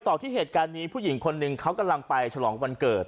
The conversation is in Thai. ต่อที่เหตุการณ์นี้ผู้หญิงคนหนึ่งเขากำลังไปฉลองวันเกิด